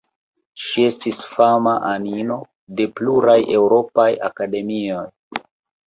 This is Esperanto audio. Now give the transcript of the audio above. Ŝi estis fama anino de pluraj eŭropaj akademioj.